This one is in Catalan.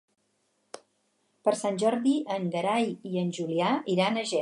Per Sant Jordi en Gerai i en Julià iran a Ger.